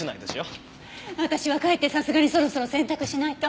私は帰ってさすがにそろそろ洗濯しないと。